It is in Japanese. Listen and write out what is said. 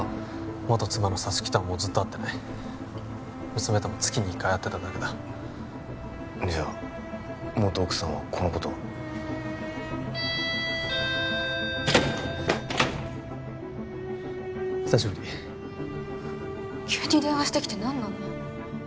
元妻の沙月とはもうずっと会ってない娘とも月に一回会ってただけだじゃあ元奥さんはこのことを久しぶり急に電話してきて何なの？